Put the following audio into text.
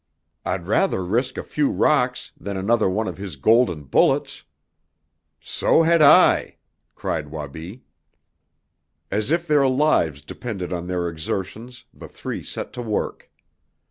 I'd rather risk a few rocks than another one of his golden bullets!" "So had I!" cried Wabi. As if their lives depended on their exertions the three set to work.